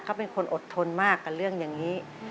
เขาเป็นคนอดทนมากกับเรื่องอย่างนี้